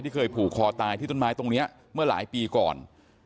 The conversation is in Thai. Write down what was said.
เคยผูกคอตายที่ต้นไม้ตรงนี้เมื่อหลายปีก่อน